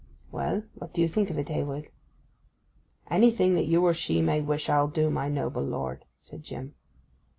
'Well, what do you think of it, Hayward?' 'Anything that you or she may wish I'll do, my noble lord,' said Jim.